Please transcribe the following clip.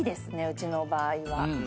うちの場合は。